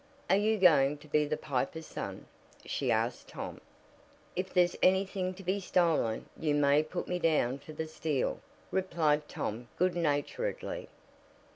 "Are you going to be the 'Piper's Son?'" she asked Tom. "If there's anything to be stolen, you may put me down for the steal," replied Tom good naturedly.